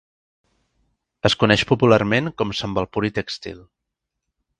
Es coneix popularment com Sambalpuri Textile.